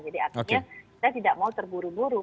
jadi artinya kita tidak mau terburu buru